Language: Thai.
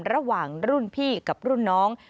ระหว่างรุ่นพี่กับรุ่นน้อง